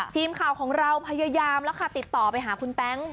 ทีมข่าวของเราพยายามแล้วค่ะติดต่อไปหาคุณแต๊ง